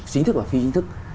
chính thức và phi chính thức